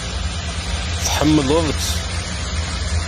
Tḥemmleḍ-tt?